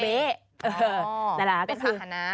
เป็นภาษาภาพขณะ